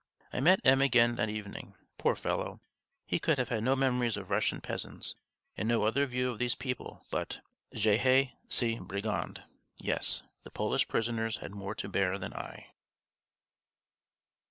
I met M. again that evening. Poor fellow! he could have no memories of Russian peasants, and no other view of these people but: "Je haïs ces brigands!" Yes, the Polish prisoners had more to bear than I.